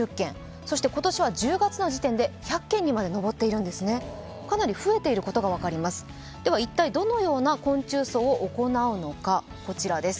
そして今年は１０月の時点で１００件にまで上っているんです、かなり増えています。